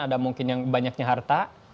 ada mungkin yang banyaknya harta